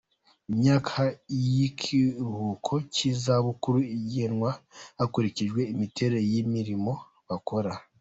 imyaka y’ikiruhuko cy’izabukuru igenwa hakurikijwe imiterere y’imirimo bakora.